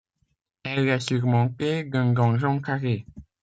Elle est surmontée d'un donjon carré.